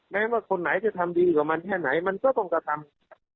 แม้ว่าคนไหนจะทำดีกว่ามันแค่ไหนมันก็ต้องกระทำ